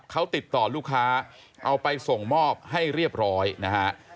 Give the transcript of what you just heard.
เขาติดต่อลูกค้าเอาไปส่งมอบให้เรียบร้อยนะฮะ